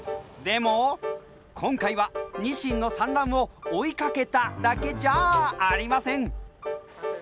でも今回はニシンの産卵を追いかけただけじゃありません。